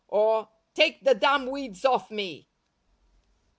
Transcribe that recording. or 'Take the damn weeds off me!'"